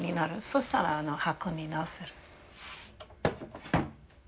そしたら箱に直せる。